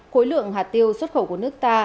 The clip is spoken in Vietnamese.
khối lượng hạt tiêu xuất khẩu của nước ta